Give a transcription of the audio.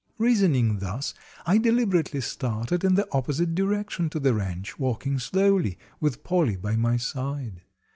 Reasoning thus, I deliberately started in the opposite direction to the ranch, walking slowly, with Polly by my side.